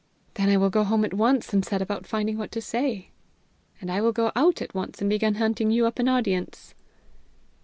"Then I will go home at once and set about finding what to say." "And I will go out at once and begin hunting you up an audience."